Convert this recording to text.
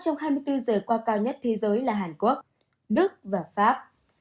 ca mắc trong hai mươi bốn giờ qua cao nhất thế giới là hàn quốc đức và pháp